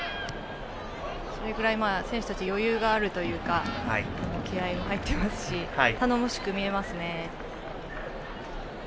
それぐらい選手たち余裕があるというか気合いも入っていますし頼もしく見えますよね。